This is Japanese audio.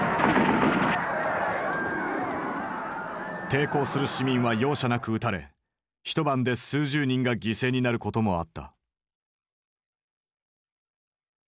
抵抗する市民は容赦なく撃たれ一晩で数十人が犠牲になることもあった。